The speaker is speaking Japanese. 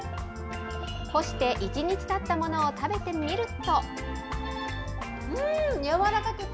干して１日たったものを食べてみると。